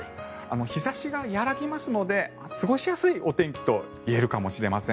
日差しが和らぎますので過ごしやすいお天気といえるかもしれません。